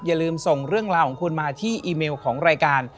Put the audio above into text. อย่าลืมส่งเรื่องราวของคุณมาที่อีเมลของรายการ